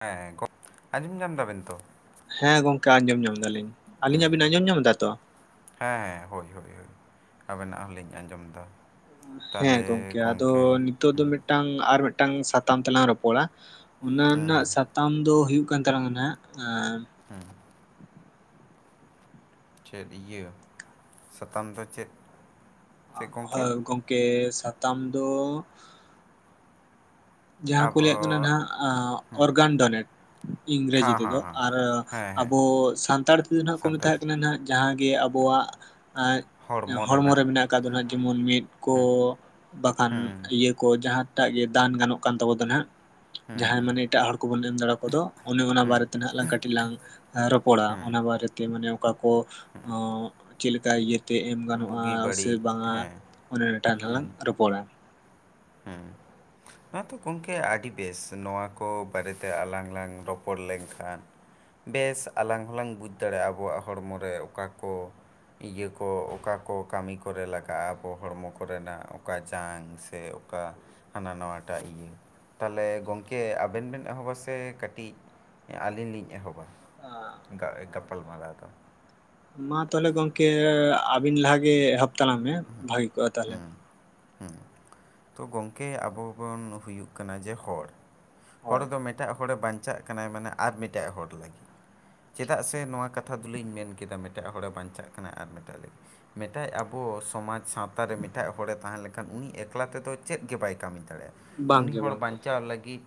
ᱦᱮᱸ ᱜᱚᱜ ᱟᱸᱡᱚᱢ ᱧᱟᱢ ᱮᱫᱟᱵᱮᱱ ᱛᱚ ‌? ᱦᱮᱸ ᱜᱚᱝᱠᱮ ᱟᱸᱡᱚᱢ ᱧᱟᱢ ᱮᱫᱟᱞᱤᱧ ᱾ ᱟᱹᱞᱤᱧᱟᱜ ᱵᱤᱱ ᱟᱸᱡᱚᱢ ᱧᱟᱢ ᱮᱫᱟ ᱛᱚ? ᱦᱮᱸ ᱦᱮᱸ ᱦᱳᱭ ᱦᱳᱭ ᱦᱚᱭ ᱟᱵᱮᱱᱟᱜ ᱦᱚᱞᱤᱧ ᱟᱸᱡᱚᱢ ᱮᱫᱟ ᱾ ᱦᱮᱸ ᱜᱚᱝᱠᱮ ᱟᱫᱚ ᱱᱤᱛᱚᱜ ᱫᱚ ᱦᱩᱸ ᱢᱤᱫ ᱴᱟᱝ ᱟᱨ ᱢᱤᱫᱴᱟᱝ ᱥᱟᱛᱟᱢ ᱛᱮᱞᱟᱝ ᱨᱚᱯᱚᱲᱟ ᱾ ᱚᱱᱟ ᱨᱮᱱᱟᱜ ᱥᱟ ᱛᱟᱢ ᱫᱚ ᱦᱩᱭᱩᱜ ᱠᱟᱱ ᱛᱟᱞᱟᱝᱟ ᱱᱟᱦᱟᱜ ᱟᱸ ᱦᱩᱸ ᱾ ᱪᱮᱫ ᱤᱭᱟᱹ [inaudible] ᱥᱟᱛᱟᱢ ᱫᱚ ᱪᱮᱫ? ᱪᱮᱫ ᱜᱚᱢᱠᱮ ᱦᱳᱭ ᱜᱚᱝᱠᱮ ᱥᱟᱛᱟᱢ ᱫᱚ ᱡᱟᱦᱟᱸ ᱠᱚ ᱟᱵᱚ ᱞᱟᱹᱭᱮᱫ ᱠᱟᱱᱟ ᱱᱟᱦᱟᱜ ᱚᱨᱜᱟᱱ ᱰᱚᱱᱮᱴ ᱤᱝᱨᱮᱡᱤ ᱦᱮᱸ ᱦᱮᱸ ᱛᱮᱫᱚ ᱦᱮᱸ ᱾ ᱟᱨ ᱦᱮᱸ ᱦᱮᱸ ᱟᱵᱚ ᱥᱟᱱᱛᱟᱲ ᱛᱮᱫᱚ ᱱᱟᱦᱟᱜ ᱠᱚ ᱢᱮᱛᱟ ᱥᱟᱱᱛᱟᱲ ᱟᱜ ᱠᱟᱱᱟ ᱱᱟᱦᱟᱜ ᱡᱟᱦᱟᱸ ᱜᱮ ᱟᱵᱚᱣᱟᱜ ᱟᱡ ᱦᱚᱲᱢᱚ ᱨᱮ ᱢᱮᱱᱟᱜ ᱟᱠᱟᱫ ᱫᱚ ᱱᱟᱦᱟᱜ ᱡᱮᱢᱚᱱ ᱢᱮᱫ ᱠᱚ ᱵᱟᱠᱷᱟᱱ ᱤᱭᱟᱹ ᱠᱚ ᱡᱟᱦᱟᱸᱴᱟᱜ ᱜᱮ ᱫᱟᱱ ᱜᱟᱱᱚᱜ ᱠᱟᱱ ᱛᱟᱵᱚ ᱫᱚ ᱱᱟᱦᱟᱜ ᱾ ᱡᱟᱦᱟᱸᱭ ᱢᱟᱱᱮ ᱮᱴᱟᱜ ᱦᱚᱲ ᱠᱚᱵᱚᱱ ᱮᱢ ᱫᱟᱲᱮ ᱟᱠᱚᱫᱚ ᱚᱱᱮ ᱚᱱᱟ ᱵᱟᱨᱮᱛᱮ ᱱᱟᱦᱟᱜ ᱞᱟᱝ ᱠᱟᱹᱴᱤᱡ ᱞᱟᱝ ᱮ ᱨᱚᱯᱚᱲᱟ, ᱚᱱᱟ ᱵᱟᱨᱮᱛᱮ ᱢᱟᱱᱮ ᱚᱠᱟ ᱠᱚ [inaudible] ᱚᱸ ᱪᱮᱫ ᱞᱮᱠᱟ ᱤᱭᱟᱹ ᱛᱮ ᱮᱢ ᱜᱟᱱᱚᱜ-ᱟ ᱵᱩᱜᱤ ᱥᱮ ᱵᱟᱹᱲᱤᱡ ᱵᱟᱝᱟ ᱦᱮᱸ ᱚᱱᱮ ᱚᱱᱟ ᱴᱟᱜ [unintelligible] ᱞᱟᱝ ᱨᱚᱯᱚᱲᱟ ᱾ ᱦᱮᱸ ᱾ ᱦᱮᱸ ᱛᱚ ᱜᱚᱢᱠᱮ ᱟᱹᱰᱤ ᱵᱮᱥ, ᱱᱚᱣᱟ ᱠᱚ ᱵᱟᱨᱮᱛᱮ ᱟᱞᱟᱝ ᱞᱟᱝ ᱨᱚᱯᱚᱲ ᱞᱮᱱᱠᱷᱟᱱ ᱵᱮᱥ ᱟᱞᱟᱝ ᱦᱚᱞᱟᱝ ᱵᱩᱡᱽ ᱫᱟᱲᱮᱭᱟᱜ-ᱟ ᱟᱵᱚᱣᱟᱜ ᱦᱚᱲᱢᱚ ᱨᱮ ᱚᱠᱟ ᱠᱚ ᱤᱭᱟᱹ ᱠᱚ ᱚᱠᱟ ᱠᱚ ᱠᱟᱹᱢᱤ ᱠᱚᱨᱮ ᱞᱟᱜᱟᱜ-ᱟ ᱟᱵᱚ ᱦᱚᱲᱢᱚ ᱠᱚᱨᱮᱱᱟᱜ ᱚᱠᱟ ᱡᱟᱝ ᱥᱮ ᱚᱱᱠᱟ ᱦᱟᱱᱟ ᱱᱟᱣᱟᱴᱟᱜ ᱤᱭᱟᱹ ᱾ ᱛᱟᱦᱚᱞᱮ ᱜᱚᱝᱠᱮ ᱟᱵᱮᱱ ᱵᱮᱱ ᱮᱦᱚᱵᱟ ᱥᱮ ᱠᱟᱹᱴᱤᱡ ᱮᱸ ᱟᱹᱞᱤᱧ ᱞᱤᱧ ᱮᱦᱚᱵᱟ ᱾ [inaudible] ᱜᱟ ᱜᱟᱯᱟᱞᱢᱟᱨᱟᱣ ᱫᱚ ᱾ ᱢᱟ ᱛᱟᱦᱚᱞᱮ ᱜᱚᱝᱠᱮ ᱟᱹᱵᱤᱱ ᱞᱟᱦᱟ ᱜᱮ ᱮᱦᱚᱵ ᱛᱟᱞᱟᱝ ᱢᱮ ᱵᱷᱟᱹᱜᱤ ᱠᱚᱜ-ᱟ ᱛᱟᱦᱚᱞᱮ ᱾ ᱦᱩᱸ ᱾ [inaudible] ᱛᱚ ᱜᱚᱝᱠᱮ ᱟᱵᱚ ᱵᱚᱱ ᱦᱩᱭᱩᱜ ᱠᱟᱱᱟ ᱡᱮ ᱦᱚᱲ ᱾ ᱦᱚᱲ ᱦᱳᱭ ᱫᱚ ᱢᱤᱫᱴᱟᱜ ᱦᱚᱲᱮ ᱵᱟᱧᱪᱟᱜ ᱠᱟᱱᱟᱭ ᱢᱟᱱᱮ ᱟᱨ ᱢᱤᱫᱴᱟᱜ ᱦᱚᱲ ᱞᱟᱹᱜᱤᱫ ᱾ ᱪᱮᱫᱟᱜ ᱥᱮ ᱱᱚᱣᱟ ᱠᱟᱛᱷᱟ ᱫᱚᱞᱤᱧ ᱢᱮᱱ ᱠᱮᱫᱟ ᱢᱮᱴᱟᱜ ᱦᱚᱲᱮ ᱵᱟᱧᱪᱟᱜ ᱠᱟᱱᱟᱭ ᱟᱨ ᱢᱮᱴᱟᱜ ᱞᱟᱹᱜᱤᱫ ᱢᱮᱫᱴᱟᱡ ᱟᱵᱚ ᱥ ᱥᱚᱢᱟᱡᱽ ᱥᱟᱶᱛᱟᱨᱮ ᱢᱤᱫᱴᱟᱜ ᱦᱚᱲᱮ ᱛᱟᱦᱮᱸ ᱞᱮᱠᱷᱟᱱ ᱩᱱᱤ ᱮᱠᱞᱟ ᱛᱮᱫᱚ ᱪᱮᱫ ᱜᱮ ᱵᱟᱭ ᱠᱟᱹᱢᱤ ᱫᱟᱲᱮᱭᱟᱜ-ᱟ ᱾ ᱩᱱᱤ ᱵᱟᱝᱜᱮ ᱦᱚᱲ ᱵᱟᱝᱜᱮ ᱵᱟᱧᱪᱟᱣ ᱞᱟᱹᱜᱤᱫ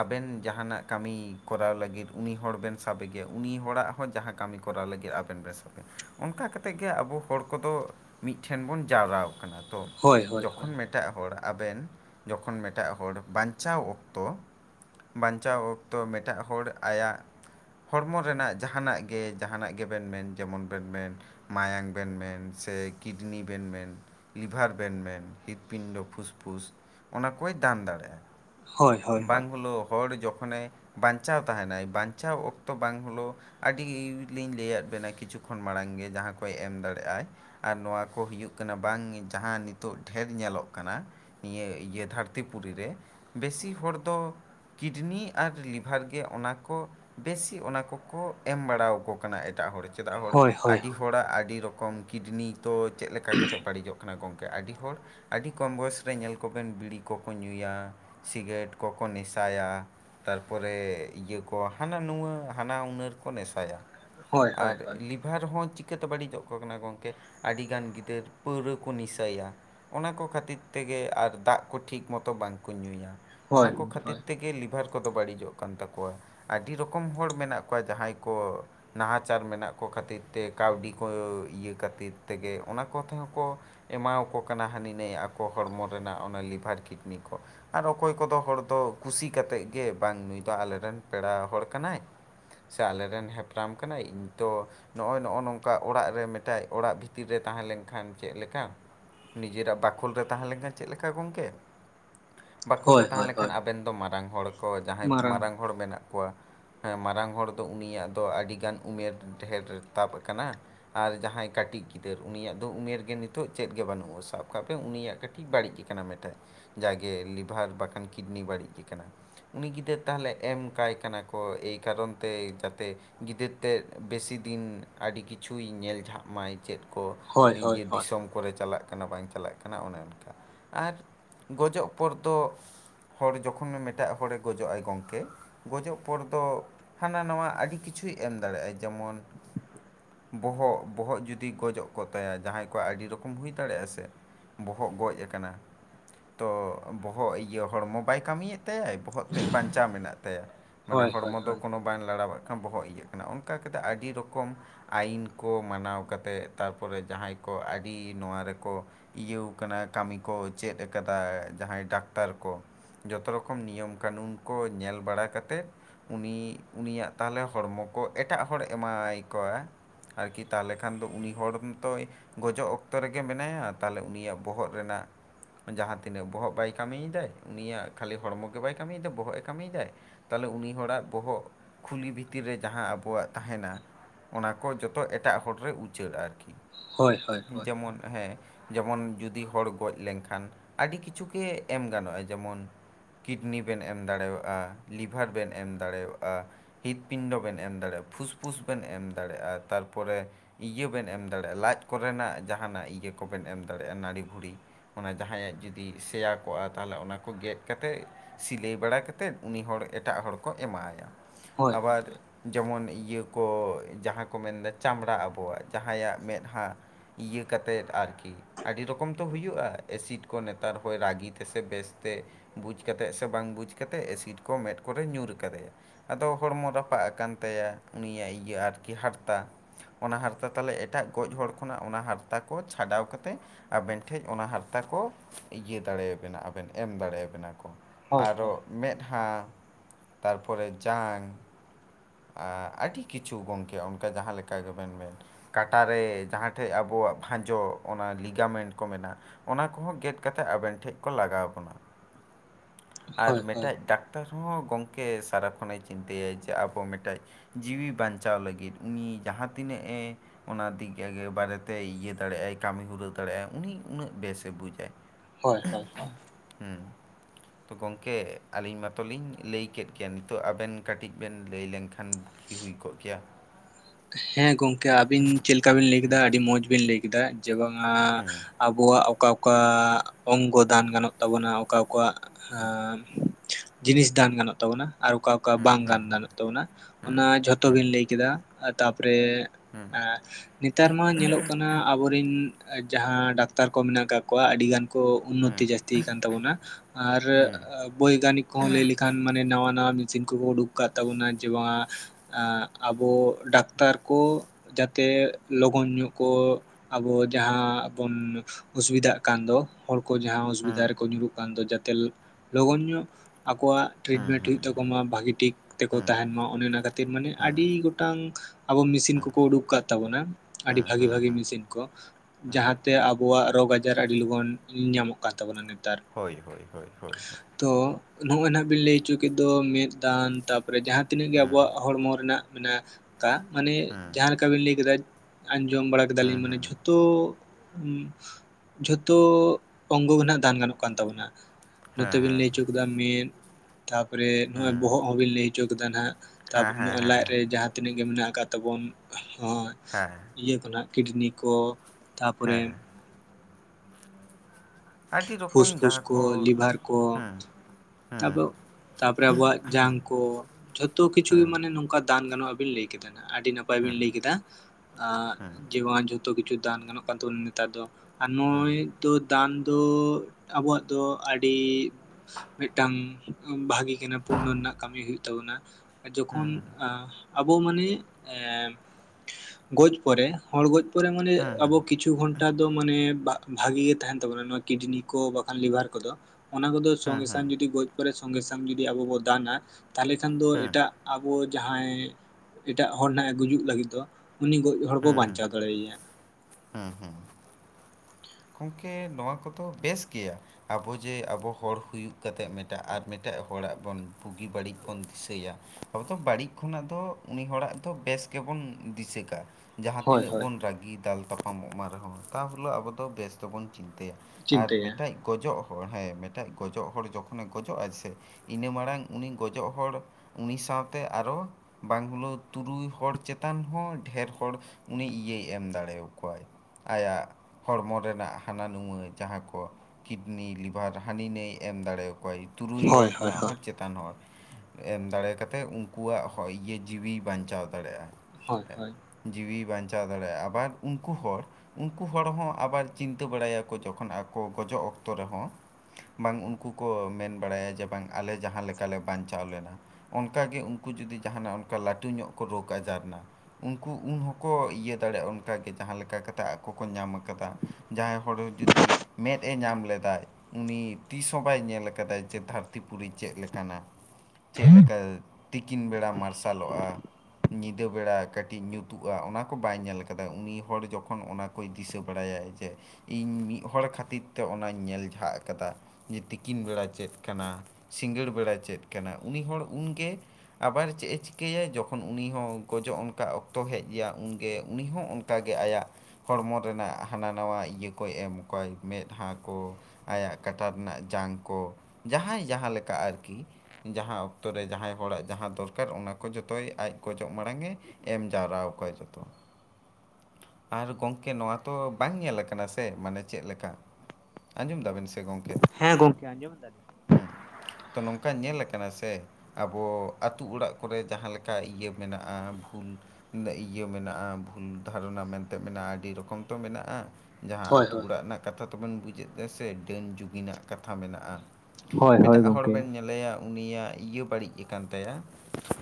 ᱟᱵᱮᱱ ᱡᱟᱦᱟᱱᱟᱜ ᱠᱟᱹᱢᱤ ᱠᱚᱨᱟᱣ ᱞᱟᱹᱜᱤᱫ ᱩᱱᱤ ᱦᱚᱲ ᱵᱮᱱ ᱥᱟᱵᱮ ᱜᱮᱭᱟ ᱾ ᱩᱱᱤ ᱦᱚᱲᱟᱜ ᱦᱚᱸ ᱡᱟᱦᱟᱸ ᱠᱟᱹᱢᱤ ᱠᱚᱨᱟᱣ ᱞᱟᱹᱜᱤᱫ ᱟᱵ ᱮᱱ ᱵᱮᱱ ᱥᱟᱱᱟᱭᱟ ᱾ ᱚᱱᱠᱟ ᱠᱟᱛᱮᱫ ᱜᱮ ᱟᱵᱚ ᱦᱚᱲ ᱠᱚᱫᱚ ᱴᱷᱮᱱ ᱵᱚᱱ ᱡᱟᱣᱨᱟ ᱟᱠᱟᱱᱟ ᱛᱚ ᱦᱳᱭ ᱦᱳᱭ ᱦᱳᱭ ᱡᱚᱠᱷᱚᱱ ᱢᱤᱫ ᱴᱟᱜ ᱦᱚᱲ ᱟᱵᱮᱱ ᱡᱚᱠᱷᱚᱱ ᱢᱤᱫᱴᱟᱜ ᱦᱚᱲ ᱵᱟᱧᱪᱟᱣ ᱚᱠᱛᱚ ᱵᱟᱧᱪᱟᱣ ᱚᱠᱛᱚ ᱢᱤᱫᱴᱟᱜ ᱦᱚᱲ ᱟᱭᱟᱜ ᱦᱚᱲᱢᱚ ᱨᱮᱱᱟᱜ ᱡᱟᱦᱟᱱᱟᱜ ᱜᱮ ᱡᱟᱦᱟᱱᱟᱜ ᱜᱮᱵᱮᱱ ᱢᱮᱱ, ᱡᱮᱢᱚᱱ ᱵᱮᱱ ᱢᱮᱱ ᱢᱟᱭᱟᱝ ᱵᱮᱱ ᱢᱮᱱ ᱥᱮ ᱠᱤᱰᱱᱤ ᱵᱮᱱ ᱢᱮᱱ ᱞᱤᱵᱷᱟᱨ ᱵᱮᱱ ᱢᱮᱱ ᱦᱨᱤᱫᱯᱤᱱᱰᱚ ᱯᱷᱩᱥᱯᱷᱩᱥ ᱚᱱᱟ ᱠᱚᱭ ᱫᱟᱱ ᱫᱟᱲᱮᱭᱟᱜ-ᱟ ᱾ ᱦᱳᱭ ᱦᱳ ᱵᱟᱝ ᱦᱳᱞᱳ ᱦᱚᱲ ᱡᱚᱠᱷᱚᱱᱮ ᱵᱟᱧᱪᱟᱣ ᱛᱟᱦᱮᱱᱟᱭ ᱵᱟᱧᱪᱟᱣ ᱚᱠᱛᱚ ᱵᱟᱝ ᱦᱳᱞᱳ ᱟᱹᱰᱤ ᱜᱤᱞᱤᱧ ᱞᱟᱹᱭᱟᱫ ᱵᱤᱱᱟ ᱠᱤᱪᱷᱩ ᱠᱷᱚᱱ ᱢᱟᱲᱟᱝ ᱜᱮ ᱡᱟᱦᱟᱸ ᱠᱚᱭ ᱮᱢ ᱫᱟᱲᱮᱭᱟᱜ ᱟᱭ ᱾ ᱟᱨ ᱱᱚᱣᱟ ᱠᱚ ᱦᱩᱭᱩᱜ ᱠᱟᱱᱟ ᱵᱟᱝ ᱡᱟᱦᱟᱸ ᱱᱤᱛᱚᱜ ᱰᱷᱮᱨ ᱧᱮᱞᱚᱜ ᱠᱟᱱᱟ ᱱᱤᱭᱟᱹ ᱤᱭᱟᱹ ᱫᱷᱟᱹᱨᱛᱤ ᱯᱩᱨᱩᱨᱤ ᱨᱮ ᱵᱮᱥᱤ ᱦᱚᱲ ᱫᱚ ᱠᱤᱰᱱᱤ ᱟᱨ ᱞᱤᱵᱷᱟᱨ ᱜᱮ ᱚᱱᱟ ᱠᱚ ᱵᱮᱥᱤ ᱚᱱᱟ ᱠᱚᱠᱚ ᱮᱢ ᱵᱟᱲᱟ ᱟᱠᱚ ᱠᱟᱱᱟ ᱮᱴᱟᱜ ᱦᱚᱲ ᱪᱚ ᱪᱮᱫᱟᱜ ᱦᱚᱲ ᱦᱳᱭ ᱦᱳᱭ ᱟᱹᱰᱤ ᱦᱚᱲᱟᱜ ᱟᱹᱰᱤ ᱨᱚᱠᱚᱢ ᱠᱤᱰᱱᱤ ᱛᱚ ᱪᱮᱫ ᱞᱮᱠᱟ ᱠᱟᱛᱮᱫ ᱵᱟᱹᱲᱤᱡᱚᱜ ᱜᱚᱢᱚᱝᱠᱮ ᱟᱹᱰᱤ ᱦᱚᱲ ᱟᱹᱰᱤ ᱠᱚᱢ ᱵᱚᱭᱮᱥ ᱨᱮ ᱧᱮᱞ ᱠᱚᱵᱮᱱ ᱵᱤᱲᱤ ᱠᱚᱠᱚ ᱧᱩᱭᱟ ᱥᱤᱜᱨᱮᱴ ᱠᱚ ᱵᱚᱱ ᱱᱮᱥᱟᱭᱟ᱾ ᱛᱟᱨᱯᱚᱨᱮ ᱤᱭᱟᱹ ᱠᱚ ᱦᱟᱱᱟ ᱱᱩ ᱦᱟᱱᱟ ᱦᱩᱱᱟᱹᱨ ᱠᱚ ᱱᱮᱥᱟᱭᱟ᱾ ᱦᱳᱭ ᱦᱳᱭ ᱟᱨ ᱞᱤᱯ ᱵᱮᱷᱟᱨ ᱨᱮᱦᱚᱸ ᱪᱤᱠᱟᱹᱛᱮ ᱵᱟᱹᱲᱤᱡᱚᱜ ᱟᱠ ᱠᱟᱱᱟ ᱜᱚᱢᱠᱮ ᱟᱹᱰᱤᱜᱟᱱ ᱜᱤᱫᱟᱹᱨ ᱯᱟᱹᱣᱨᱟᱹ ᱠᱚ ᱱᱤᱥᱟᱭᱟ᱾ ᱚᱱᱟᱠᱚ ᱠᱷᱟᱹᱛᱤᱨ ᱛᱮᱜᱮ ᱟᱨ ᱫᱟᱜ ᱠᱚ ᱴᱷᱤᱠ ᱢᱚᱛᱚ ᱵᱟᱝᱠᱚ ᱧᱩᱭᱟ᱾ ᱦᱳᱭ ᱚᱱᱟ ᱠᱚ ᱠᱷᱟᱹᱛᱤᱨ ᱦᱳᱭ ᱛᱮᱜᱮ ᱞᱤᱵᱷᱟᱨ ᱠᱚᱫᱚ ᱵᱟᱹᱲᱤᱡᱚᱜ ᱠᱟᱱ ᱛᱟᱠᱚᱣᱟ᱾ ᱟᱹᱰᱤ ᱨᱚᱠᱚᱢ ᱦᱚᱲ ᱢᱮᱱᱟᱜ ᱠᱚᱣᱟ ᱡᱟᱦᱟᱸᱭ ᱠᱚ ᱱᱟᱦᱟᱪᱟᱨ ᱢᱮᱱᱟᱜ ᱠᱚ ᱠᱷᱟᱹᱛᱤᱨ ᱛᱮ ᱠᱟᱹᱣᱰᱤ ᱠᱚ ᱤᱭᱟᱹ ᱠᱷᱟᱹᱛᱤᱨ ᱛᱮᱜᱮ ᱚᱱᱟ ᱠᱚ ᱛᱮᱦᱚᱸ ᱠᱚ ᱮᱢᱟᱠᱚ ᱠᱟᱱᱟ ᱦᱟᱹᱱᱤ ᱱᱟᱹᱭ ᱟᱠᱚ ᱦᱚᱲᱢᱚ ᱨᱮᱱᱟᱜ ᱚᱱᱟ ᱞᱤᱵᱷᱟᱨ ᱠᱤᱰᱱᱤ ᱠᱚ ᱟᱨ ᱚᱠᱚᱭ ᱠᱚᱫᱚ ᱦᱚᱲ ᱫᱚ ᱠᱩᱥᱤ ᱠᱟᱛᱮᱫ ᱜᱮ ᱵᱟᱝ ᱱᱩᱭ ᱫᱚ ᱟᱞᱮᱨᱮ ᱨᱮᱱ ᱯᱮᱲᱟ ᱦᱚᱲ ᱠᱟᱱᱟᱭ ᱥᱮ ᱟᱞᱮᱨᱮᱱ ᱦᱮᱯᱨᱟᱢ ᱠᱟᱱᱟᱭ ᱤᱧ ᱛᱚ ᱱᱚᱜᱼᱚᱭ ᱱᱚᱜᱼᱚ ᱱᱚᱝᱠᱟ ᱚᱲᱟᱜ ᱨᱮ ᱢᱤᱫᱴᱟᱭ ᱚᱲᱟᱜ ᱵᱷᱤᱛᱤᱨ ᱨᱮ ᱛᱟᱦᱮᱸ ᱞᱮᱱᱠᱷᱟᱱ ᱪᱮᱫ ᱞᱮᱠᱟ ᱱᱤᱡᱮᱨᱟᱜ ᱵᱟᱠᱷᱳᱞ ᱨᱮ ᱛᱟᱦᱮᱸ ᱞᱮᱱᱠᱷᱟᱱ ᱪᱮᱫ ᱞᱮᱠᱟ ᱜᱚᱢᱠᱮ ᱵᱟᱠᱷᱳᱞ ᱦᱳᱭ ᱨᱮ ᱦᱳᱭ ᱛᱟᱦᱮᱸ ᱦᱳᱭ ᱞᱮᱱᱠᱷᱟᱱ ᱟᱵᱮᱱ ᱫᱚ ᱢᱟᱨᱟᱝ ᱦᱚᱲ ᱠᱚ ᱡᱟᱦᱟᱸᱭ ᱠᱚ ᱢᱟᱨᱟᱝ ᱦᱚᱲ ᱢᱮᱱᱟᱜ ᱠᱚᱣᱟ᱾ ᱦᱮᱸ ᱢᱟᱨᱟᱝ ᱦᱚᱲ ᱫᱚ ᱩᱱᱤᱭᱟᱜ ᱫᱚ ᱟᱹᱰᱤ ᱜᱟᱱ ᱩᱢᱮᱨ ᱰᱷᱮᱨ ᱛᱟᱵ ᱟᱠᱟᱱᱟ᱾ ᱟᱨ ᱡᱟᱦᱟᱸᱭ ᱠᱟᱹᱴᱤᱡ ᱜᱤᱫᱟᱹᱨ ᱩᱱᱤᱭᱟᱜ ᱫᱚ ᱩᱢᱮᱨ ᱜᱮ ᱱᱤᱛᱚᱜ ᱪᱮᱫ ᱜᱮ ᱵᱟᱹᱱᱩᱜᱼᱟ ᱥᱟᱵ ᱠᱟᱜ ᱯᱮ ᱩᱱᱤᱭᱟᱜ ᱠᱟᱹᱴᱤᱡ ᱴᱷᱤᱠ ᱵᱟᱹᱲᱤᱡ ᱟᱠᱟᱱᱟ ᱢᱤᱫᱴᱮᱱ ᱡᱟᱜᱮ ᱞᱤᱵᱷᱟᱨ ᱵᱟᱠᱷᱟᱱ ᱠᱤᱰᱱᱤ ᱵᱟᱹᱲᱤᱡ ᱜᱮ ᱟᱠᱟᱱᱟ᱾ ᱩᱱᱤ ᱜᱤᱫᱟᱹᱨ ᱛᱟᱦᱚᱞᱮ ᱮᱢ ᱠᱟᱭ ᱠᱟᱱᱟ ᱠᱚ ᱮᱭ ᱠᱟᱨᱚᱱ ᱛᱮ ᱡᱟᱛᱮ ᱜᱤᱫᱟᱹᱨ ᱛᱮᱫ ᱵᱮᱥᱤ ᱫᱤᱱ ᱟᱹᱰᱤ ᱠᱤᱪᱷᱩᱭ ᱧᱮᱞ ᱡᱷᱟᱜ ᱢᱟᱭ ᱪᱮᱫ ᱠᱚ ᱦᱳᱭ ᱦᱳᱭ ᱱᱤᱡᱮ ᱦᱳᱭ ᱫᱤᱥᱚᱢ ᱠᱚᱨᱮ ᱪᱟᱞᱟᱜ ᱠᱟᱱᱟ ᱵᱟᱝ ᱪᱟᱞᱟᱜ ᱠᱟᱱᱟ ᱚᱱᱮ ᱚᱱᱠᱟ ᱟᱨ ᱜᱚᱡᱚᱜ ᱯᱚᱨ ᱫᱚ ᱦᱚᱲ ᱡᱚᱠᱷᱚᱱ ᱮᱴᱟᱜ ᱦᱚᱲᱮ ᱜᱚᱡᱚᱜᱼ ᱟᱭ ᱜᱚᱢᱠᱮ ᱜᱚᱡᱚᱜ ᱯᱚᱨ ᱫᱚ ᱦᱟᱱᱟ ᱱᱟᱣᱟ ᱟᱹᱰᱤ ᱠᱤᱪᱷᱩᱭ ᱮᱢ ᱫᱟᱲᱮᱭᱟᱜᱼ ᱟᱭ ᱡᱮᱢᱚᱱ ᱵᱚᱦᱚᱜ ᱵᱚᱦᱚᱜ ᱡᱩᱫᱤ ᱜᱚᱡᱚᱜ ᱠᱚᱜ ᱛᱟᱭᱟᱭᱟ ᱡᱟᱦᱟᱸᱭ ᱠᱚᱣᱟᱜ ᱟᱹᱰᱤ ᱨᱚᱠᱚᱢ ᱦᱩᱭ ᱫᱟᱲᱮᱭᱟᱜᱼᱟ ᱥᱮ ᱵᱚᱦᱚᱜ ᱜᱚᱡ ᱟᱠᱟᱱᱟ ᱛᱚ ᱵᱚᱦᱚᱜ ᱤᱭᱟᱹ ᱦᱚᱲᱢᱚ ᱵᱟᱭ ᱠᱟᱹᱢᱤᱭᱮᱫ ᱛᱟᱭᱟ ᱵᱚᱦᱚᱜ ᱛ ᱵᱟᱧᱪᱟᱣ ᱢᱮᱱᱟᱜ ᱛᱟᱭᱟ ᱢᱟᱱᱮ ᱦᱳᱭ ᱦᱳᱭ ᱦᱚᱲᱢᱚ ᱫᱚ ᱦᱳᱭ ᱠᱳᱱᱳ ᱵᱟᱝ ᱞᱟᱲᱟᱣᱟᱜ ᱠᱟᱱᱟ ᱵᱚᱦᱚᱜ ᱤᱭᱟᱹᱜ ᱠᱟᱱᱟ ᱚᱱᱠᱟ ᱠᱟᱛᱮᱮᱫ ᱟᱹᱰᱤ ᱨᱚᱠᱚᱢ ᱟᱹᱤᱱ ᱠᱚ ᱢᱟᱱᱟᱣ ᱠᱟᱛᱮᱫ ᱛᱟᱨᱯᱚᱨᱮ ᱡᱟᱦᱟᱸᱭ ᱠᱚ ᱟᱹᱰᱤ ᱱᱚᱣᱟ ᱨᱮᱠᱚ ᱤᱭᱟᱹᱣ ᱠᱟᱱᱟ ᱠᱟᱹᱢᱤ ᱠᱚ ᱪᱮᱫ ᱠᱟᱫᱟ ᱡᱟᱦᱟᱸᱭ ᱰᱟᱠᱛᱟᱨ ᱠᱚ ᱡᱚᱛᱚ ᱨᱚᱠᱚᱢ ᱱᱤᱭᱚᱢ ᱠᱟᱱᱱᱩᱱ ᱠᱚ ᱧᱮᱞ ᱵᱟᱲᱟ ᱠᱟᱛᱮᱫ ᱩᱱᱤ ᱩᱱᱤᱭᱟᱜ ᱛᱟᱦᱚᱞᱮ ᱦᱚᱲᱢᱚ ᱠᱚ ᱮᱴᱟᱜ ᱦᱚᱲ ᱮᱢᱟᱭ ᱠᱚᱣᱟ ᱟᱨᱠᱤ ᱛᱟᱦᱚᱞᱮ ᱠᱷᱟᱱ ᱫᱚ ᱩᱱᱤ ᱦᱚᱲᱛᱚᱭ ᱜᱚᱡᱚᱜ ᱚᱠᱛᱚ ᱨᱮᱜᱮ ᱢᱮᱱᱟᱭᱟ ᱛᱟᱦᱚᱞᱮ ᱩᱱᱤᱭᱟᱜ ᱵᱚᱦᱚᱜ ᱨᱮᱱᱟᱜ ᱡᱟᱦᱟᱸ ᱛᱤᱱᱟᱹᱜ ᱵᱚᱦᱚᱜ ᱵᱟᱭ ᱠᱟᱹᱢᱤᱭᱮᱫᱟᱭ ᱩᱱᱤᱭᱟᱜ ᱠᱷᱟᱹᱞᱤ ᱦᱚᱲᱢᱚ ᱜᱮ ᱵᱟᱭ ᱠᱟᱹᱢᱤᱭᱮᱫᱟ ᱵᱚᱦᱚᱜ ᱮ ᱠᱟᱹᱢᱤᱭᱮᱫᱟᱭ ᱛᱟᱦᱚᱞᱮ ᱩᱱᱤ ᱦᱚᱲᱟᱜ ᱵᱚᱦᱚᱜ ᱠᱷᱩᱞᱤ ᱵᱷᱤᱛᱤᱨ ᱨᱮ ᱡᱟᱦᱟᱸ ᱟᱵᱚᱣᱟᱜ ᱛᱟᱦᱮᱱᱟ ᱚᱱᱟ ᱠᱚ ᱡᱚᱛᱚ ᱮᱴᱟᱜ ᱦᱚᱲ ᱨᱮ ᱩᱪᱟᱹᱲ ᱟᱨᱠᱤ ᱦᱳᱭ ᱦᱳᱭ ᱦᱳᱭ ᱡᱮᱢᱚᱱ ᱦᱮᱸ ᱡᱮᱢᱚᱱ ᱡᱩᱫᱤ ᱦᱚᱲ ᱜᱚᱡ ᱞᱮᱱᱠᱷᱟᱱ ᱟᱹᱰᱤ ᱠᱤᱪᱷᱩ ᱜᱮ ᱮᱢ ᱜᱟᱱᱚᱜᱼᱟ ᱡᱮᱢᱚᱱ ᱠᱤᱰᱱᱤ ᱵᱮᱱ ᱮᱢ ᱫᱟᱲᱮᱭᱟᱜᱼᱟ ᱞᱤᱵᱷᱟᱨ ᱵᱮᱱ ᱮᱢ ᱫᱟᱲᱮᱭᱟᱜᱼᱟ ᱦᱤᱛᱯᱤᱰᱚ ᱵᱮᱱ ᱮᱢ ᱫᱟᱲᱮᱭᱟᱜᱼᱟ ᱯᱷᱩᱥᱯᱷᱩᱥ ᱵᱮᱱ ᱮᱢ ᱫᱟᱲᱮᱭᱟᱜᱼᱟ ᱛᱟᱨᱯᱚᱨᱮ ᱤᱭᱟᱹ ᱵᱮᱱ ᱮᱢ ᱫᱟᱲᱮᱭᱟᱜᱼᱟ ᱞᱟᱡ ᱠᱚᱨᱮᱱᱟᱜ ᱡᱟᱦᱟᱱᱟᱜ ᱤᱭᱟᱹ ᱠᱚᱵᱮᱱ ᱮᱢ ᱫᱟᱲᱮᱭᱟᱜᱼᱟ ᱱᱟᱹᱲᱤ ᱜᱩᱲᱤ ᱚᱱᱟ ᱡᱟᱦᱟᱸᱭᱟᱜ ᱡᱩᱫᱤ ᱥᱮᱭᱟ ᱠᱚᱜᱼᱟ ᱛᱟᱦᱚᱞᱮ ᱚᱱᱟ ᱠᱚ ᱜᱮᱫ ᱠᱟᱛᱮᱫ ᱥᱤᱞᱟᱹᱭ ᱵᱟᱲᱟ ᱠᱟᱛᱮᱫ ᱩᱱᱤ ᱦᱚᱲ ᱮᱴᱟᱜ ᱦᱚᱲ ᱠᱚ ᱮᱢᱟᱣᱟᱭᱟ ᱦᱳᱭ ᱦᱳᱭ ᱟᱵᱟᱨ᱾ ᱡᱮᱢᱚᱱ ᱤᱭᱟᱹ ᱠᱚ ᱡᱟᱦᱟᱸ ᱠᱚ ᱢᱮᱱᱫᱟ ᱪᱟᱢᱲᱟ ᱟᱵᱚᱣᱟᱜ ᱡᱟᱦᱟᱸᱭᱟᱜ ᱢᱮᱸᱫᱦᱟ᱾ ᱤᱭᱟᱹ ᱠᱟᱛᱮᱫ ᱟᱨᱠᱤ᱾ ᱟᱹᱰᱤ ᱨᱚᱠᱚᱢ ᱛᱚ ᱦᱩᱭᱩᱜᱼᱟ ᱮᱥᱤᱰ ᱠᱚ ᱱᱮᱛᱟᱨ ᱦᱚᱭ ᱨᱟᱹᱜᱤ ᱛᱮᱥᱮ ᱵᱮᱥ᱾ ᱛᱮ ᱵᱩᱡᱽ ᱠᱟ ᱠᱟᱛᱮᱫ ᱥᱮ ᱵᱟᱝ ᱵᱩᱡᱽ ᱠᱟᱛᱮᱫ ᱮᱥᱤᱰ ᱠᱚ ᱢᱮᱫ ᱠᱚᱨᱮ ᱧᱩᱨ ᱠᱟᱫᱟᱭᱟ᱾ ᱟᱫᱚ ᱦᱚᱲᱢᱚ ᱨᱟᱯᱟᱜ ᱟᱠᱟᱱ ᱛᱟᱭᱟ ᱩᱱᱤᱭᱟᱜ ᱤᱭᱟᱹ ᱟᱨᱠᱤ ᱦᱟᱨᱛᱟ᱾ ᱚᱱᱟ ᱦᱟᱨᱛᱟ ᱛᱟᱦᱟᱞᱮ ᱮᱴᱟᱜ ᱜᱚᱡ ᱦᱚᱲ ᱠᱷᱚᱱᱟᱜ ᱚᱱᱟ ᱦᱟᱨᱛᱟ ᱠᱚ ᱪᱷᱟᱰᱟᱣ ᱠᱟ ᱠᱟᱛᱮᱫ᱾ ᱟᱵᱮᱱ ᱴᱷᱮᱱ ᱚᱱᱟ ᱦᱟᱨᱛᱟ ᱠᱚ ᱤᱭᱟᱹ ᱫᱟᱲᱮᱭᱟᱵᱮᱱᱟ ᱟᱵᱮᱱ᱾ ᱮᱢ ᱫᱟᱲᱮᱭᱟᱵᱮᱱᱟ ᱠᱚ ᱦᱳᱭ ᱟᱨᱚ ᱢᱮᱫᱦᱟ ᱛᱟᱨᱯᱚᱨᱮ ᱡᱟᱝ᱾ ᱟᱹᱰᱤ ᱠᱤᱪᱷᱩ ᱜᱚᱢᱠᱮ ᱚᱱᱠᱟ ᱡᱟᱦᱟᱸ ᱞᱮᱠᱟ ᱜᱮᱵᱮᱱ ᱢᱮᱱ᱾ ᱠᱟᱴᱟᱨᱮ ᱡᱟᱦᱟᱸ ᱴᱷᱮᱡ ᱟᱵᱚᱣᱟᱜ ᱵᱷᱟᱡᱚ ᱚᱱᱟ ᱞᱤᱜᱟᱢᱮᱱᱴ ᱠᱚ ᱢᱮ᱾ ᱚᱱᱟ ᱠᱚᱦᱚᱸ ᱜᱮᱫ ᱠᱟᱛᱮᱫ ᱟᱵᱮᱱ ᱴᱷᱮᱱ ᱠᱚ ᱞᱟᱜᱟᱣ᱾ ᱵᱚᱱᱟ ᱟᱨ ᱦᱳᱭ ᱦᱳᱭ ᱢᱤᱫᱴᱟᱭ ᱰᱟᱠᱛᱟᱨ ᱦᱚᱸ ᱜᱚᱝᱠᱮ ᱥᱟᱨᱟᱠᱷᱮ ᱪᱤᱱᱛᱟᱹᱭᱟ ᱡᱮ ᱟᱵᱚ ᱢᱤᱫᱴᱮᱡ᱾ ᱡᱤᱣᱤ ᱵᱟᱧᱪᱟᱣ ᱞᱟᱹᱜᱤᱫ ᱩᱱᱤ ᱡᱟᱦᱟᱸ ᱛᱤᱱᱟᱹᱜᱼᱮ᱾ ᱚᱱᱟ ᱫᱤᱠᱜ ᱫᱤᱭᱮ ᱵᱟᱨᱮᱛᱮ ᱤᱭᱟᱹ ᱫᱟᱲᱮᱭᱟᱜᱼ ᱟᱭ ᱠᱟᱹᱢᱤ ᱦᱩᱨᱟᱹ ᱫᱟᱲᱮᱭᱟᱜᱼ ᱟᱭ ᱩᱱᱤ ᱩᱱᱟᱹᱜ ᱵᱮᱥᱮ ᱵᱩᱡᱟᱭ᱾ ᱦᱳᱭ ᱦᱳᱭ ᱦᱳᱭ᱾ ᱦᱩᱸ᱾ ᱛᱚ ᱜᱚᱢᱠᱮ ᱟᱹᱞᱤᱧ ᱢᱟᱛᱚᱞᱤᱧ ᱞᱟᱹᱭ ᱠᱮᱫ ᱜᱮᱭᱟ ᱱᱤᱛᱚᱜ ᱟᱵᱮᱱ ᱠᱟᱹᱴᱤᱡ ᱵᱮᱱ ᱞᱟᱹᱭ ᱞᱮᱱᱠᱷᱟᱱ᱾ ᱤ ᱦᱩᱭ ᱠᱚᱜ ᱠᱮᱭᱟ᱾ ᱦᱮᱸ ᱜᱚᱢᱠᱮ ᱟᱵᱤᱱ ᱪᱮᱫ ᱞᱮᱠᱟ ᱵᱤᱱ ᱞᱟᱹᱭᱠᱮᱫᱟ ᱟᱹᱰᱤ ᱢᱚᱸᱡᱽ ᱵᱤᱱ ᱞᱟᱹᱭ ᱠᱮᱫᱟ᱾ ᱡᱮ ᱵᱟᱝᱟ ᱟᱵᱚᱣᱟᱜ ᱚᱠᱟ ᱚᱠᱟ ᱚᱝᱜᱚ ᱫᱟᱱ ᱜᱟᱱᱚᱜ ᱛᱟᱵᱚᱱᱟ ᱚᱠᱟᱠᱟ᱾ ᱡᱤᱱᱤᱥ ᱫᱟᱱ ᱜᱟᱱᱚᱜ ᱛᱟᱵᱚᱱᱟ ᱟᱨ ᱚᱠᱟ ᱚᱠᱟ ᱵᱟᱝ ᱜᱟᱱ ᱜᱟᱱᱚᱜ ᱛᱟᱵᱚᱱᱟ᱾ ᱚᱱᱟ ᱡᱷᱚᱛᱚᱜᱤᱧ ᱞᱟᱹᱭ ᱠᱮᱫᱟ᱾ ᱛᱟᱯᱚᱨᱮ ᱱᱮᱛᱟᱨ ᱢᱟ ᱧᱮᱞᱚᱜ ᱠᱟᱱᱟ ᱟᱵᱚᱨᱤᱱ᱾ ᱡᱟᱦᱟᱸ ᱰᱟᱠᱛᱟᱨ ᱠᱚ ᱢᱮᱱᱟᱜ ᱟᱠᱟᱫ ᱠᱚᱣᱟ ᱟᱹᱰᱤ ᱜᱟᱱ᱾ ᱩᱱᱱᱚᱛᱤ ᱡᱟᱥᱤ ᱟᱠᱟᱱ ᱛᱟᱵᱚᱱᱟ ᱟᱨ ᱵᱳᱭᱜᱟᱱᱤᱠ᱾ ᱠᱚᱦᱚᱸ ᱞᱟᱹᱭ ᱞᱮᱠᱷᱟᱱ ᱢᱟᱱᱮ ᱱᱟᱣᱟ ᱱᱟᱣᱟ ᱢᱮᱥᱤᱱ ᱠᱚᱠᱚ ᱩᱰᱩᱠ ᱟᱠᱟᱫ ᱛᱟᱵᱚᱱᱟ ᱡᱮ ᱵᱟᱝᱟ ᱟᱵᱚ᱾ ᱰᱟᱠᱛᱟᱨ ᱠᱩ᱾ ᱡᱟᱛᱮ ᱞᱚᱜᱚᱱ ᱧᱚᱜ ᱠᱚ ᱟᱵᱚ ᱡᱟᱦᱟᱸ ᱵᱚᱱ᱾ ᱚᱥᱩᱵᱤᱫᱷᱟᱜ ᱠᱟᱱ ᱫᱚ᱾ ᱦᱚᱲ ᱠᱚ ᱡᱟᱦᱟᱸ ᱚᱥᱩᱵᱤᱫᱷᱟ ᱨᱮᱠᱚ ᱧᱩᱨᱩᱜ ᱠᱟᱱ ᱫᱚ ᱡᱟᱛᱮ ᱞᱚᱜᱚᱱ ᱧᱚᱜ ᱟᱠᱚᱣᱟᱜ᱾ ᱴᱨᱤᱴᱢᱮᱱᱴ ᱦᱩᱭᱩᱜ ᱛᱟᱠᱚᱢ ᱢᱟ ᱵᱷᱟᱜᱤ ᱴᱷᱤᱠ ᱛᱮᱠᱚ ᱛᱟᱦᱮᱱ ᱢᱟ ᱚᱱᱮ ᱚᱱᱟ ᱠᱷᱟᱹᱛᱤᱨ ᱢᱟᱱᱮ ᱟᱹᱰᱤ ᱜᱚᱴ᱾ ᱢᱤᱫᱴᱟᱝ ᱟᱵᱚ ᱢᱮᱥᱤᱱ ᱠᱚᱠᱚ ᱩᱰᱩᱠ ᱟᱠᱟᱟᱜ ᱛᱟᱵᱚᱱᱟ ᱟᱹᱰᱤ ᱵᱷᱟᱜᱤ ᱵᱷᱟᱜᱤ ᱢᱮᱥᱤᱱ ᱠᱚ᱾ ᱡᱟᱦᱟᱸᱛᱮ ᱟᱵᱚᱣᱟᱜ ᱨᱳᱜᱽ ᱟᱡᱟᱨ ᱟᱹᱰᱤ ᱞᱚᱜᱚᱱ ᱣᱤᱧᱟᱢᱚᱜ ᱠᱟᱱ ᱛᱟᱵᱚᱱᱟ ᱾ ᱦᱳᱭ ᱦᱳᱭ ᱦᱳᱭ ᱦᱳᱭ [unintelligible] ᱛᱚ ᱱᱚᱜᱼᱚᱭ ᱱᱟᱦᱟᱜ ᱵᱮᱤᱱ ᱞᱟᱹᱭ ᱦᱪᱚ ᱠᱮᱫ ᱫᱚ ᱢᱮᱫ ᱫᱟᱱ ᱛᱟᱯᱚᱨᱮ ᱡᱟᱦᱟᱸ ᱛᱤᱱᱟᱹᱜ ᱜᱮ ᱦᱮᱸ ᱟᱵᱚᱣᱟᱜ ᱦᱚᱲᱢᱚ ᱨᱮᱱᱟᱜ᱾ ᱢᱮ ᱠᱟ ᱢᱟᱱᱮ ᱡᱟᱦᱟᱸ ᱞᱮᱠᱟ ᱵᱤᱱ ᱞᱟᱹᱭ ᱠᱮᱫᱟ ᱟᱸᱡᱚᱢ ᱵᱟᱲᱟ ᱠᱮᱫᱟᱞᱤᱧ ᱢᱟᱱᱮ ᱡᱷᱚᱛᱚ᱾ ᱛᱚ ᱡᱷᱚᱛᱚ ᱚᱝᱜᱚ ᱜᱮ ᱱᱟᱜ ᱫᱟᱱ ᱜᱟᱱᱚᱜ ᱠᱟᱱ ᱛᱟᱵᱚᱱᱟ᱾ ᱱᱚᱛᱮ ᱵᱤᱱ ᱞᱟᱹᱭ ᱦᱚᱪᱚ ᱠᱮᱫᱟ ᱢᱮᱫ᱾ ᱛᱟᱯᱚᱨᱮ ᱱᱚᱜᱚᱭ ᱵᱚᱦᱚᱜ ᱦᱚᱸᱵᱤᱱ ᱞᱟᱹᱭ ᱦᱚᱪᱚ ᱠᱮᱫᱟ ᱱᱟᱦᱟᱜ ᱛᱟᱯᱚᱨᱮ ᱱᱚᱜᱚᱭ ᱞᱟᱡ ᱨᱮ ᱡᱟᱦᱟᱸ᱾ ᱛᱤᱱᱟᱹᱜ ᱜᱮ ᱢᱮᱱᱟᱜ ᱟᱠᱟᱫ ᱛᱟᱵᱚᱱ ᱦᱚ᱾ ᱦᱮᱸ᱾ ᱤᱭᱟᱹ ᱠᱚᱱᱟᱜ ᱠᱤᱰᱱᱤ ᱠᱚ ᱛᱟᱯᱚᱨᱮ᱾ ᱦᱮᱸ ᱟᱹᱰᱤ ᱨᱚᱠᱚᱢ ᱯᱷᱩᱥᱯᱷᱩᱥ ᱡᱟᱦᱟᱸ ᱠᱚ ᱞᱤᱵᱷᱟᱨ ᱠᱚ᱾ ᱦᱩᱸ ᱦᱩᱸ ᱟᱫᱚ ᱛᱟᱯᱚᱨᱮ ᱟᱵᱚᱣᱟᱜ ᱡᱟᱝ ᱠᱚ ᱡᱷᱚᱛᱚ ᱠᱤᱪᱷᱩ ᱢᱟᱱᱮ ᱱᱚᱝ᱾ ᱚᱝᱠᱟ ᱫᱟᱱ ᱜᱟᱱᱚᱜᱼᱟ ᱵᱤᱱ ᱞᱟᱹᱭ ᱠᱮᱫᱟ ᱱᱟᱦᱚᱜ ᱟᱹᱰᱤ ᱱᱟᱯᱟᱭ ᱵᱤᱱ ᱞᱟᱹᱭ ᱠᱮᱫᱟ ᱾ ᱟᱸᱜ ᱡᱮ ᱵᱟᱝ ᱡᱚᱛᱚ ᱠᱤᱪᱷᱩ ᱫᱟᱱ ᱜᱟᱱᱚᱜ ᱠᱟᱱ ᱛᱟᱵᱚᱱᱟ ᱱᱮᱛᱟᱨ ᱫᱚ, ᱟᱨ ᱱᱩᱭ ᱛᱚ ᱫᱟᱱ ᱫᱚ ᱟᱵᱚᱣᱟᱜ ᱫᱚ ᱟᱹᱰᱤ ᱢᱤᱫᱴᱟᱝ ᱵᱷᱟᱜᱮ ᱠᱟᱱᱟ ᱯᱩᱱᱱᱚ ᱱᱟᱜ ᱠᱟᱹᱢᱤ ᱦᱩᱭᱩᱜ ᱛᱟᱵᱚᱱᱟ, ᱡᱚᱠᱷᱚᱱ ᱟᱸ ᱟᱵᱚ ᱢᱟᱱᱮ ᱮᱸᱻ ᱜᱚᱡ ᱯᱚᱨᱮ ᱦᱚᱲ ᱜᱚᱡ ᱯᱚᱨᱮ ᱢᱟᱱᱮ ᱟᱵᱚ ᱠᱤᱪᱷᱩ ᱜᱷᱚᱱᱴᱟ ᱫᱚ ᱢᱟᱱᱮ ᱵᱷᱟ-ᱵᱷᱟᱜᱮ ᱜᱮ ᱛᱟᱦᱮᱱ ᱛᱟᱵᱚᱱᱟ ᱱᱚᱣᱟ ᱠᱤᱰᱱᱤ ᱠᱚ ᱵᱟᱠᱷᱟᱱ ᱞᱤᱵᱷᱟᱨ ᱠᱚᱫᱚ ᱚᱱᱟ ᱠᱚᱫᱚ ᱥᱚᱝᱜᱮ ᱥᱟᱝ ᱡᱩᱫᱤ ᱜᱚᱡ ᱯᱚᱨᱮ ᱥᱚᱝᱜᱮ ᱥᱟᱝ ᱡᱩᱫᱤ ᱟᱵᱚ ᱵᱚᱱ ᱫᱟᱱᱟ, ᱛᱟᱦᱚᱞᱮ ᱠᱷᱟᱱ ᱫᱚ ᱦᱩᱸ ᱮᱴᱟᱜ ᱟᱵᱚ ᱡᱟᱦᱟᱸᱭ ᱮᱴᱟᱜ ᱦᱚᱲ ᱱᱟᱦᱟᱜ ᱮ ᱜᱩᱡᱩᱜ ᱞᱟᱹᱜᱤᱫ ᱫᱚ ᱩᱱᱤ ᱜᱚᱡ ᱦᱚᱲ ᱠᱚ ᱵᱟᱧᱪᱟᱣ ᱫᱟᱲᱮᱭᱟᱭᱟ ᱾ ᱦᱩᱸ ᱦᱩᱸ ᱾ ᱜᱚᱝᱠᱮ ᱱᱚᱣᱟ ᱠᱚᱫᱚ ᱵᱮᱥ ᱜᱮᱭᱟ ᱾ ᱟᱵᱚ ᱡᱮ ᱟᱵᱚ ᱦᱚᱲ ᱦᱩᱭᱩᱜ ᱠᱟᱛᱮᱜ ᱢᱤᱴᱟ ᱟᱨ ᱢᱤᱫᱴᱟ ᱦᱚᱲᱟᱜ ᱵᱚᱱ ᱵᱩᱜᱤ ᱵᱟᱹᱲᱤᱡ ᱵᱚᱱ ᱫᱤᱥᱟᱹᱭᱟ ᱾ ᱟᱵᱚ ᱫᱚ ᱵᱟᱹᱲᱤᱡ ᱠᱷᱚᱱᱟᱜ ᱫᱚ ᱩᱱᱤ ᱦᱚᱲᱟᱜ ᱫᱚ ᱵᱮᱥ ᱜᱮᱵᱚᱱ ᱫᱤᱥᱟᱹᱠᱟᱜᱼᱟ ᱾ ᱡᱟᱦᱟᱸ ᱦᱳᱭ ᱛᱤᱱᱟᱹᱜ ᱦᱳᱭ ᱵᱚᱱ ᱨᱟᱹᱜᱤ ᱫᱟᱞ ᱛᱟᱯᱟᱢᱚᱜ ᱢᱟ ᱨᱮᱦᱚᱸ ᱛᱟ ᱦᱤᱞᱳ ᱟᱵᱚ ᱵᱮᱥ ᱫᱚᱵᱚᱱ ᱪᱤᱱᱛᱟᱹᱭᱟ ᱾ ᱟᱨ ᱪᱤᱱᱛᱟᱹᱭᱟ ᱢᱤᱫᱴᱮᱡ ᱜᱚᱡᱚᱜ ᱦᱚᱲ ᱦᱮᱸ ᱢᱤᱫᱴᱮᱡ ᱜᱚᱡᱚᱜ ᱦᱚᱲ ᱡᱚᱠᱷᱚᱱᱮ ᱜᱚᱡᱚᱜᱟᱭ ᱥᱮ ᱤᱱᱟᱹ ᱢᱟᱲᱟᱝ ᱩᱱᱤ ᱜᱚᱡᱚᱜ ᱦᱚᱲ ᱩᱱᱤ ᱥᱟᱶᱛᱮ ᱟᱨᱚ ᱵᱟᱝ ᱦᱳᱞᱳᱣ ᱛᱩᱨᱩᱭ ᱦᱚᱲ ᱪᱮᱛᱟᱱ ᱦᱚᱸ ᱰᱷᱮᱨ ᱦᱚᱲ ᱩᱱᱤ ᱤᱭᱟᱹᱭ ᱮᱢ ᱫᱟᱲᱮ ᱟᱠᱚᱣᱟᱭ ᱾ ᱟᱭᱟᱜ ᱦᱚᱲᱢᱚ ᱨᱮᱱᱟᱜ ᱦᱟᱱᱟ ᱱᱩᱣᱟᱹ ᱡᱟᱦᱟᱸ ᱠᱚ ᱠᱤᱰᱱᱤ, ᱞᱤᱵᱷᱟᱨ ᱦᱟᱹᱱᱤ ᱱᱟᱹᱭ ᱮᱢ ᱫᱟᱲᱮ ᱟᱠᱚᱣᱟᱭ ᱾ ᱛᱩᱨᱩᱭ ᱦᱚᱲ ᱦᱳᱭ ᱦᱳᱭ ᱠᱷᱚᱱᱟᱜ ᱦᱳᱭ ᱦᱚᱸ ᱪᱮ ᱛᱟᱱ ᱦᱚᱲ ᱮᱢ ᱫᱟᱲᱮ ᱠᱟᱛᱮ ᱩᱱᱠᱩᱣᱟᱜ ᱦᱚ ᱤᱭᱟᱹ ᱡᱤᱣᱤᱭ ᱵᱟᱧᱪᱟᱣ ᱫᱟᱲᱮᱭᱟᱜᱼᱟ ᱾ ᱦᱳᱭ ᱦᱳᱭ ᱾ ᱡᱤᱣᱤ ᱵᱟᱧᱪᱟᱣ ᱫᱟᱲᱮᱭᱟᱜᱼᱟ ᱟᱵᱟᱨ ᱩᱱᱠᱩ ᱦᱚᱲ ᱩᱱᱠᱩ ᱦᱚᱲ ᱦᱚᱸ ᱟᱵᱟᱨ ᱪᱤᱱᱛᱟᱹ ᱵᱟᱲᱟᱭᱟᱠᱚ ᱡᱚᱠᱷᱚᱱ ᱟᱠᱚ ᱜᱚᱡᱚᱜ ᱚᱠᱛᱚ ᱨᱮᱦᱚᱸ ᱵᱟᱝ ᱩᱝᱠᱩ ᱠᱚ ᱢᱮᱱ ᱵᱟᱲᱟᱭᱟ ᱡᱮ ᱵᱟᱝ ᱟᱞᱮ ᱡᱟᱦᱟᱸ ᱞᱮᱠᱟᱞᱮ ᱵᱟᱧᱪᱟᱣ ᱞᱮᱱᱟ, ᱚᱝᱠᱟ ᱜᱮ ᱩᱝᱠᱩ ᱡᱩᱫᱤ ᱡᱟᱦᱟᱱᱟᱜ ᱚᱝᱠᱟ ᱞᱟᱹᱴᱩ ᱧᱚᱜ ᱠᱚ ᱨᱳᱜᱽ ᱟᱡᱟᱨᱱᱟ, ᱩᱝᱠᱩ ᱩᱱ ᱦᱚᱸᱠᱚ ᱤᱭᱟᱹ ᱫᱟᱲᱮᱭᱟᱜᱼᱟ ᱚᱱᱠᱟᱜᱮ ᱡᱟᱦᱟᱸ ᱞᱮᱠᱟ ᱠᱟᱛᱮᱫ ᱟᱠᱚ ᱠᱚ ᱧᱟᱢ ᱠᱟᱫ ᱾ ᱡᱟᱦᱟᱸᱭ ᱦᱚᱲ ᱡᱩᱫᱤ ᱢᱮᱫ ᱮ ᱧᱟᱢ ᱞᱮᱫᱟᱭ ᱩᱱᱤ ᱛᱤᱥᱦᱚᱸ ᱵᱟᱭ ᱧᱮᱞ ᱟᱠᱟᱫᱟ ᱡᱮ ᱫᱷᱟᱹᱨᱛᱤ ᱯᱩᱨᱤ ᱪᱮᱫ ᱞᱮᱠᱟᱱᱟ? ᱪᱮᱫ ᱞᱮᱠᱟ ᱛᱤᱠᱤᱱ ᱵᱮᱲᱟ ᱢᱟᱨᱥᱟᱞᱚᱜᱼᱟ? ᱧᱤᱫᱟᱹ ᱵᱮᱲᱟ ᱠᱟᱹᱴᱤᱡ ᱧᱩᱛᱩᱜᱼᱟ ᱚᱱᱟ ᱠᱚ ᱵᱟᱭ ᱧᱮᱞ ᱟᱠᱟᱫᱟ, ᱩᱱᱤ ᱦᱚᱲ ᱡᱚᱠᱷᱚᱱ ᱚᱱᱟ ᱠᱚᱭ ᱫᱤᱥᱟᱹ ᱵᱟᱲᱟᱭᱟᱭ ᱡᱮ ᱤᱧ ᱢᱤᱫ ᱦᱚᱲ ᱠᱷᱟᱹᱛᱤᱨ ᱛᱮ ᱚᱱᱟᱧ ᱧᱮᱞ ᱡᱷᱟᱜ ᱟᱠᱟᱫᱟ ᱾ ᱡᱮ ᱛᱤᱠᱤᱱ ᱵᱮᱲᱟ ᱪᱮᱫ ᱠᱟᱱᱟ! ᱥᱤᱸᱜᱟᱹᱲ ᱵᱮᱲᱟ ᱪᱮᱫ ᱠᱟᱱᱟ! ᱩᱱᱤ ᱦᱚᱲ ᱩᱱᱜᱮ ᱟᱵᱟᱨ ᱪᱮᱫᱼᱮ ᱪᱤᱠᱟᱹᱭᱟ ᱡᱚᱠᱷᱚᱱ ᱩᱱᱤ ᱦᱚᱸ ᱜᱚᱡᱚᱜ ᱚᱝᱠᱟ ᱚᱠᱛᱚ ᱦᱮᱡᱮᱭᱟ ᱩᱱᱜᱮ ᱩᱱᱤ ᱦᱚᱸ ᱚᱱ ᱠᱟᱜᱮ ᱟᱭᱟᱜ ᱦᱚᱲᱢᱚ ᱨᱮᱱᱟᱜ ᱦᱟᱱᱟ ᱱᱟᱣᱟ ᱤᱭᱟᱹ ᱠᱚᱭ ᱮᱢ ᱠᱚᱣᱟᱭ ᱢᱮᱫᱦᱟ ᱠᱚ ᱟᱭᱟᱜ ᱠᱟᱴᱟ ᱨᱮᱱᱟᱜ ᱡᱟᱝ ᱠᱚ ᱾ ᱡᱟᱦᱟᱸᱭ ᱡᱟᱦᱟᱸ ᱞᱮᱠᱟ ᱟᱨᱠᱤ ᱾ ᱡᱟᱦᱟᱸ ᱚᱠᱛᱚ ᱨᱮ ᱡᱟᱦᱟᱸᱭ ᱦᱚᱲᱟᱜ ᱡᱟᱦᱟᱸ ᱫᱚᱨᱠᱟᱨ ᱚᱱᱟ ᱠᱚ ᱡᱚᱛᱚᱭ ᱟᱡ ᱜᱚᱡᱚᱜ ᱢᱟᱲᱟᱝᱮ ᱮᱢ ᱡᱟᱣᱨᱟ ᱟᱠᱚᱣᱟᱭ ᱡᱚᱛᱚ ᱾ ᱟᱨ ᱜᱚᱝᱠᱮ ᱱᱚᱣᱟ ᱛᱚ ᱵᱟᱝ ᱧᱮᱞ ᱟᱠᱟᱱᱟ ᱥᱮ ᱢᱟᱱᱮ ᱪᱮᱫ ᱞᱮᱠᱟ? ᱟᱸᱡᱚᱢ ᱫᱟᱵᱮᱱ ᱥᱮ ᱜᱚᱝ ᱦᱮᱸ ᱜᱚᱢᱠᱮ ᱟᱸᱡᱚᱢ ᱫᱟᱞᱤᱧ ᱾ ᱦᱩᱸ, ᱛᱚ ᱱᱚᱝᱠᱟ ᱧᱮᱞ ᱟᱠᱟᱱᱟ ᱥᱮ ᱟᱵᱚ ᱟᱹᱛᱩ ᱚᱲᱟᱜ ᱠᱚᱨᱮ ᱡᱟᱦᱟᱸ ᱞᱮᱠᱟ ᱤᱭᱟᱹ ᱢᱮᱱᱟᱜᱼᱟ ᱵᱷᱩᱞ᱾ ᱤᱭᱟᱹ ᱢᱮᱱᱟᱜᱼᱟ ᱵᱷᱩᱞ ᱫᱷᱟᱨᱚᱱᱟ ᱢᱮᱱᱛᱮ ᱢᱮᱱᱟᱜᱼᱟ ᱟᱹᱰᱤ ᱨᱚᱠᱚᱢ ᱛᱚ ᱢᱮᱱᱟᱜᱼᱟ᱾ ᱟᱜ ᱡᱟᱸᱦᱟ ᱦᱳᱭ ᱟᱛᱳ ᱦᱳᱭ ᱚᱲᱟᱜ ᱨᱮᱱᱟᱜ ᱠᱟᱛᱷᱟ ᱛᱚᱵᱮᱱ ᱵᱩᱡᱮᱫ ᱫᱟ ᱥᱮ ᱰᱟᱹᱱ ᱡᱩᱜᱤᱱᱟᱜ ᱠᱟᱛᱷᱟ ᱢᱮᱱᱟᱜᱼᱟ᱾ ᱦᱳᱭ ᱦᱳᱭ ᱢᱤᱴᱟᱜ ᱦᱚᱲ ᱜᱚᱝᱠᱮ ᱵᱮᱱ ᱧᱮᱞᱮᱭᱟ ᱩᱱᱤᱭᱟᱜ ᱤᱭᱟᱹ ᱵᱟᱹᱲᱤᱡ ᱟᱠᱟᱱ ᱛᱟᱭᱟ,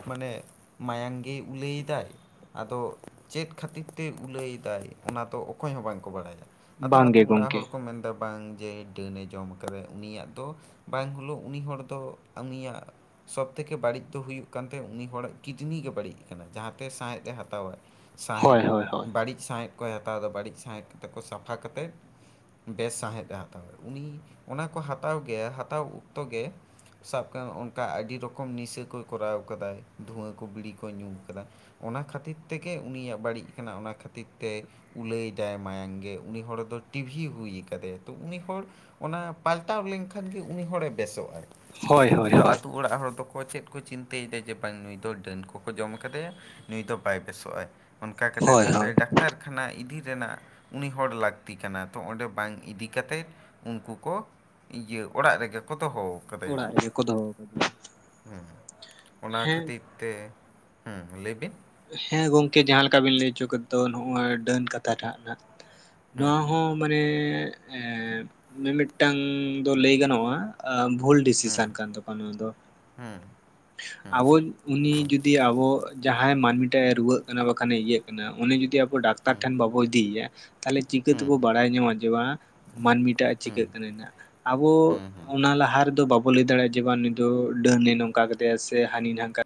ᱢᱟᱱᱮ ᱢᱟᱭᱟᱝ ᱜᱮ ᱩᱞᱟᱹᱭᱫᱟᱭ᱾ ᱟᱫᱚ ᱪᱮᱫ ᱠᱷᱟᱹᱛᱤᱨ ᱛᱮ ᱩᱞᱟᱹᱭᱫᱟᱭ ᱚᱱᱟ ᱫᱚ ᱚᱠᱚᱭ ᱦᱚᱸ ᱵᱟᱝ ᱠᱚ ᱵᱟᱲᱟᱭᱟ, ᱟᱫᱚ ᱵᱟᱝ ᱟᱛᱳ ᱜᱮ ᱚᱲᱟᱜ ᱜᱚᱝᱠᱮ ᱦᱚᱲ ᱠᱚ ᱢᱮᱱᱫᱟ ᱵᱟᱝ ᱡᱮ ᱰᱟᱹᱱᱮ ᱡᱚᱢ ᱠᱟᱫᱟ ᱩᱱᱤᱭᱟᱜ ᱫᱚ ᱵᱟᱝ ᱠᱩᱞᱟᱹᱣ ᱩᱱᱤ ᱦᱚᱲ ᱫᱚ ᱩᱱᱤᱭᱟᱜ ᱥᱚᱵᱽ ᱛᱷᱮᱠᱮ ᱵᱟᱹᱲᱤᱡ ᱫᱚ ᱦᱩᱭᱩᱜ ᱠᱟᱱ ᱛᱟᱭ ᱩᱱᱤ ᱦᱚᱲᱟᱜ ᱠᱤᱰᱱᱤ ᱜᱮ ᱵᱟᱹᱲᱤᱡ ᱠᱟᱱᱟ, ᱡᱟᱸᱦᱟ ᱛᱮ ᱥᱟᱸᱟᱦᱮᱸᱫ ᱮ ᱦᱟᱛᱟᱣᱟ᱾ ᱦᱳᱭ ᱥᱟᱸᱦᱮᱸᱫ ᱦᱳᱭ ᱦᱳᱭ ᱵᱟᱹᱲᱤᱡ ᱥᱟᱸᱦᱮᱫ ᱠᱚᱭ ᱦᱟᱛᱟᱣᱫᱟ ᱵᱟᱹᱲᱤᱡ ᱥᱟᱸᱦᱮᱸᱫ ᱠᱟᱛᱮ ᱠᱚ ᱥᱟᱯᱷᱟ ᱠᱟᱛᱮ ᱵᱮᱥ ᱥᱟᱶᱦᱮᱫ ᱮ ᱦᱟᱛᱟᱣᱟ ᱩᱱᱤ ᱚᱱᱟ ᱠᱚ ᱦᱟᱛᱟᱣ ᱜᱮ, ᱦᱟᱛᱟᱣ ᱚᱠᱛᱚ ᱜᱮ ᱥᱟᱵ ᱠᱟᱜ ᱢᱮ ᱚᱱᱠᱟ ᱟᱹᱰᱤ ᱨᱚᱠᱚᱢ ᱱᱤᱥᱟᱹ ᱠᱚᱭ ᱠᱚᱨᱟᱣ ᱠᱟᱫᱟᱭ ᱫᱷᱩᱣᱟᱹ ᱠᱚ ᱵᱤᱲᱤ ᱠᱚᱭ ᱧᱩ ᱠᱟᱫᱟ᱾ ᱚᱱᱟ ᱠᱷᱟᱹᱛᱤᱨ ᱛᱮᱜᱮ ᱩᱱᱤᱭᱟᱜ ᱵᱟᱹᱲᱤᱡ ᱠᱟᱱᱟ, ᱚᱱᱟ ᱠᱷᱟᱹᱛᱤᱨ ᱛᱮ ᱩᱞᱟᱹᱭᱫᱟᱭ᱾ ᱢᱟᱭᱟᱝ ᱜᱮ ᱩᱱᱤ ᱦᱚᱲ ᱫᱚ ᱴᱤᱵᱷᱤ ᱦᱩᱭ ᱟᱠᱟᱫᱮ ᱛᱚ ᱩᱱᱤ ᱦᱚᱲ ᱚᱱᱟ ᱯᱟᱞᱴᱟᱣ ᱞᱮᱱᱠᱷᱟᱱ ᱜᱮ ᱩᱱᱤ ᱦᱚᱲᱮ ᱵᱮᱥᱚᱜ ᱟᱭ, ᱦᱳᱭ ᱦᱳᱭ ᱛᱚ ᱦᱳᱭ ᱟᱛᱳ ᱚᱲᱟᱜ ᱦᱚᱲ ᱫᱚ ᱟᱠᱚ ᱪᱮᱫ ᱠᱚ ᱪᱤᱱᱛᱟᱹᱭᱮᱫᱟ ᱡᱮ ᱵᱟᱝ ᱱᱩᱭ ᱫᱚ ᱰᱟᱹᱱ ᱠᱚᱠᱚ ᱡᱚᱢ ᱠᱟᱫᱮᱭᱟ ᱱᱩᱭ ᱫᱚ ᱵᱟᱭ ᱵᱮᱥᱚᱜᱟᱭ᱾ ᱚᱱᱠᱟ ᱠᱟᱛᱮᱫ ᱦᱳᱭ ᱛᱟᱦᱚᱞᱮ ᱦᱳᱭ ᱰᱟᱠᱛᱟᱨ ᱠᱷᱟᱱᱟ ᱤᱫᱤ ᱨᱮᱱᱟᱜ ᱩᱱᱤ ᱦᱚᱲ ᱞᱟᱹᱠᱛᱤ ᱠᱟᱱᱟ ᱛᱚ ᱚᱸᱰᱮ ᱵᱟᱝ ᱤᱫᱤ ᱠᱟᱛᱮᱫ ᱩᱱᱠᱩ ᱠᱚ ᱤᱭᱟᱹ ᱚᱲᱟᱜ ᱨᱮᱜᱮ ᱠᱚ ᱫᱚᱦᱚ ᱟᱠᱟᱫᱮᱭᱟ ᱚᱲᱟᱜ ᱨᱮᱜᱮ ᱠᱚ ᱫᱚᱦᱚ ᱠᱟᱫᱮ᱾ ᱚᱱᱟ ᱠᱷᱟᱹᱛᱤᱨ ᱛᱮ, ᱦᱩᱸ ᱞᱟᱹᱭ ᱵᱤᱱ ᱦᱮᱸ ᱜᱚᱢᱠᱮ ᱡᱟᱦᱟᱸ ᱞᱮᱠᱟ ᱵᱤᱱ ᱞᱟᱹᱭ ᱦᱚᱪᱚ ᱠᱮᱫ ᱫᱚ ᱱᱚᱜᱼᱚᱭ ᱰᱟᱹᱱ ᱠᱟᱛᱷᱟ ᱴᱟᱜ ᱱᱟᱜ ᱱᱚᱣᱟ ᱦᱚᱸ ᱢᱟᱱᱮ ᱢᱤᱢᱤᱫᱴᱟᱝ ᱫᱚ ᱞᱟᱹᱭ ᱜᱟᱱᱚᱜᱼᱟ ᱟ ᱵᱷᱩᱞ ᱰᱤᱥᱤᱥᱮᱱ ᱠᱟᱱ ᱛᱟᱠᱚᱣᱟ ᱱᱚᱣᱟ ᱫᱚ᱾ ᱦᱮᱸ ᱟᱵᱚ ᱩᱱᱤ ᱡᱩᱫᱤ ᱟᱵᱚ ᱡᱟᱦᱟᱸᱭ ᱢᱟᱹᱱᱢᱤ ᱴᱟᱜ ᱨᱩᱣᱟᱹᱜ ᱠᱟᱱᱟ ᱵᱟᱠᱷᱟᱱᱮ ᱤᱭᱟᱹᱜ ᱠᱟᱱᱟ ᱩᱱᱤ ᱡᱩᱫᱤ ᱟᱵᱚ ᱰᱟᱠ ᱰᱟᱠᱛᱟᱨ ᱴᱷᱮᱱ ᱵᱟᱵᱚ ᱤᱫᱤᱭᱮᱭᱟ ᱛᱟᱦᱞᱮ ᱪᱤᱠᱟᱹ ᱛᱮᱵᱚ ᱵᱟᱲᱟᱭ ᱧᱟᱢᱟ ᱡᱮ ᱵᱟᱝ ᱢᱟᱹᱱᱢᱤ ᱴᱟᱜᱼᱮ ᱪᱤᱠᱟᱹᱜ ᱠᱟᱱᱟ ᱱᱟᱜ᱾ ᱟᱵᱚ ᱚᱱᱟ ᱞᱟᱦᱟ ᱨᱮᱫᱚ ᱵᱟᱵᱚ ᱞᱟᱹᱭ ᱫᱟᱲᱮᱭᱟᱜᱼᱟ ᱡᱮ ᱵᱟᱝ ᱱᱩᱭᱤᱫ ᱰᱟᱹᱱ ᱱᱮ ᱱᱚᱝ ᱠᱟ ᱠᱟᱫᱮᱭᱟ ᱥᱮ ᱦᱟᱹᱱᱤ ᱱᱟᱝᱠᱟ